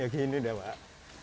ya gini deh pak